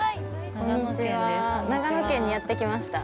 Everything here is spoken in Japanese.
長野県にやってきました。